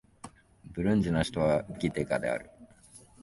ブルンジの首都はギテガである